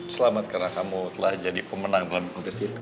selamat karena kamu telah jadi pemenang dalam konteks itu